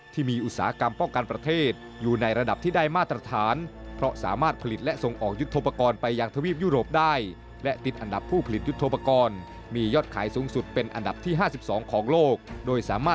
ที่มีอุตสาหกรรมป้องกันประเทศ